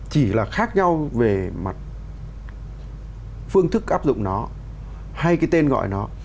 chỉ là khác nhau về mặt phương thức áp dụng nó hay cái tên gọi nó